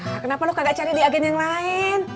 ya kenapa lo gak cari diagen yang lain